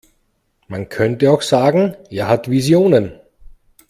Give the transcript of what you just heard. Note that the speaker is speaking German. Man könnte auch sagen, er hat Visionen.